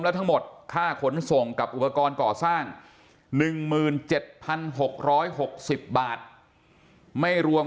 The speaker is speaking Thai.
แล้วทั้งหมดค่าขนส่งกับอุปกรณ์ก่อสร้าง๑๗๖๖๐บาทไม่รวม